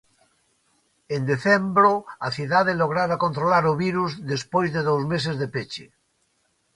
En decembro a cidade lograra controlar o virus despois de dous meses de peche.